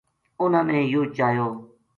اُنھاں نے یوہ چایو